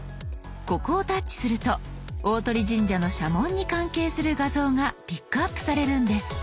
ここをタッチすると大鳥神社の社紋に関係する画像がピックアップされるんです。